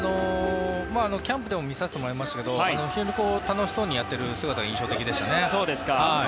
キャンプでも見させてもらいましたけど非常に楽しそうにやっている姿が印象的でした。